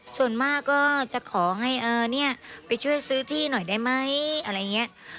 ส่วนมากก็จะขอให้ไปช่วยซื้อที่หน่อยได้ไหมอะไรอย่างนี้